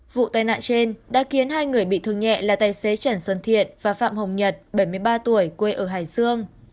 vụ tai nạn trên đã khiến hai người bị thương nhẹ là tài xế trần xuân thiện và phạm hồng nhật bảy mươi ba tuổi quê ở hải dương